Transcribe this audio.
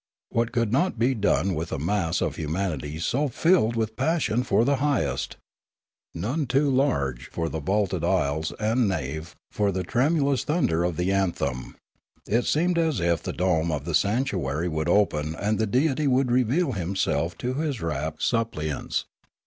What could not be done with a mass of humanity so filled with passion for the highest! None too large were the vaulted aisles and nave for the tremulous thunder of the anthem. It seemed as if the dome of the sanctuary would open and the Deity would reveal Himself to His rapt suppliants.